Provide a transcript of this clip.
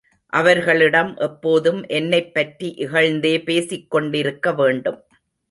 அவர்களிடம் எப்போதும் என்னைப் பற்றி இகழ்ந்தே பேசிக்கொண்டிருக்க வேண்டும்.